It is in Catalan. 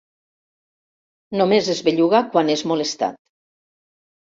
Només es belluga quan és molestat.